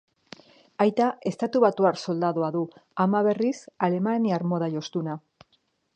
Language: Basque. Aita estatubatuar soldadua du, ama, berriz, alemaniar moda-jostuna.